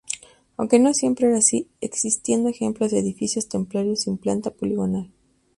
Aunque no siempre era así, existiendo ejemplos de edificios templarios sin planta poligonal.